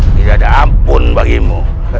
tidak ada ampun bagimu